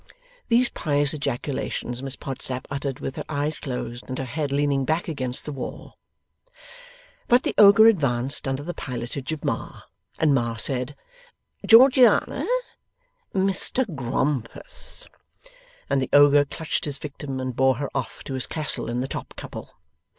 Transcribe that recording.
These pious ejaculations Miss Podsnap uttered with her eyes closed, and her head leaning back against the wall. But the Ogre advanced under the pilotage of Ma, and Ma said, 'Georgiana, Mr Grompus,' and the Ogre clutched his victim and bore her off to his castle in the top couple.